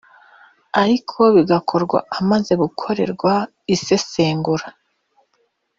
ariko bigakorwa amaze gukorerwa isesengura